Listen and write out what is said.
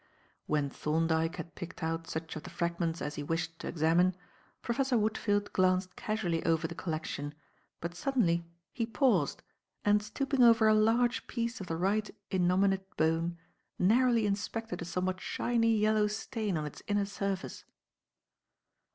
When Thorndyke had picked out such of the fragments as he wished to examine, Professor Woodfield glanced casually over the collection, but suddenly he paused and, stooping over a large piece of the right innominate bone, narrowly inspected a somewhat shiny yellow stain on its inner surface.